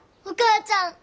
お母ちゃん。